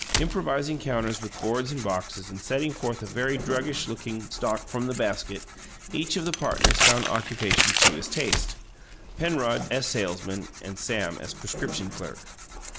Improvising counters with boards and boxes, and setting forth a very druggish looking stock from the basket, each of the partners found occupation to his taste Penrod as salesman and Sam as prescription clerk.